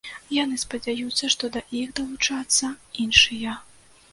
Яны спадзяюцца, што да іх далучацца іншыя.